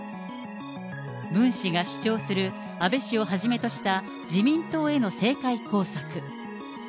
ムン氏が主張する安倍氏をはじめとした自民党への政界工作。